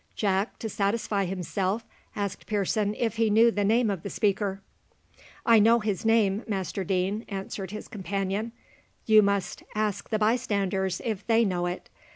Jack, to satisfy himself, asked Pearson if he knew the name of the speaker. "I know his name, Master Deane," answered his companion: "you must ask the bystanders if they know it.